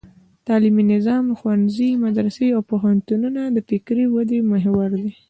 تعلیمي نظام: ښوونځي، مدرسې او پوهنتونونه د فکري ودې محور دي.